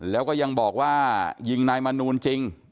แล้วก็ยังบอกว่ายิงนายมนูลจริง